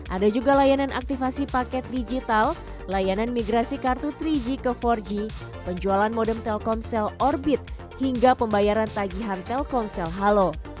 ada juga layanan aktifasi paket digital layanan migrasi kartu tiga g ke empat g penjualan modem telkomsel orbit hingga pembayaran tagihan telkomsel halo